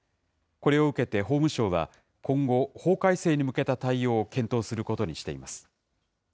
これを受けて法務省は、今後、法改正に向けた対応を検討することにしています。